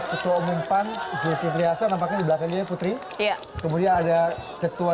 ketua umum pan juki priasa nampaknya di belakangnya putri iya kemudian ada ketua